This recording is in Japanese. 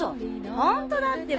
ホントだってば。